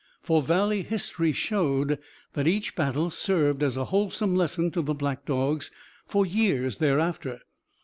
For Valley history showed that each battle served as a wholesome lesson to the black dogs for years thereafter.